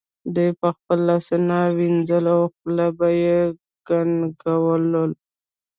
دوی به خپل لاسونه وینځل او خوله به یې کنګالوله.